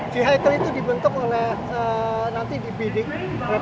vehicle itu dibentuk oleh nanti di bidding